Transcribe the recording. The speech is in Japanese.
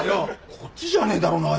こっちじゃねえだろうな彩佳。